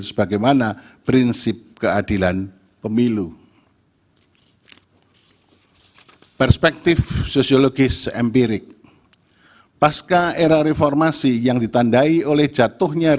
sebagaimana prinsip keadilan pemilu